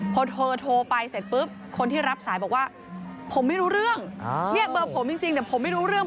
พอเธอโทรไปเสร็จปุ๊บคนที่รับสายบอกว่าผมไม่รู้เรื่องเนี่ยเบอร์ผมจริงแต่ผมไม่รู้เรื่อง